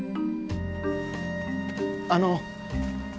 あの。